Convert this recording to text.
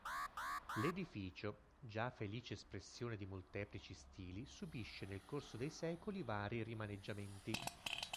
L'edificio, già felice espressione di molteplici stili, subisce nel corso dei secoli vari rimaneggiamenti.